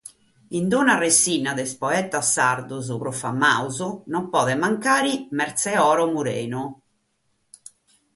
In una rassinna de sos poetas sardos prus famados non podet mancare Mertzeoro Murenu.